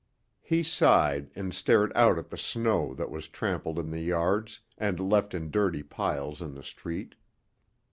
He sighed and stared out at the snow that was trampled in the yards and left in dirty piles in the street.